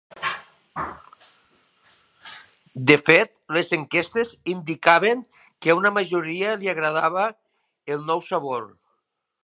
De fet, les enquestes indicaven que a una majoria li agradava el nou sabor.